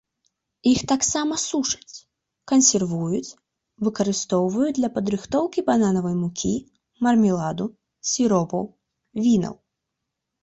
Іх таксама сушаць, кансервуюць, выкарыстоўваюць для падрыхтоўкі бананавай мукі, мармеладу, сіропаў, вінаў.